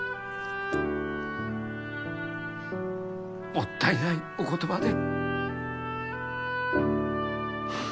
もったいないお言葉で。